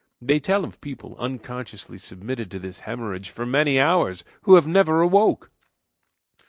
They tell of people, unconsciously submitted to this hemorrhage for many hours, who have never awoke!"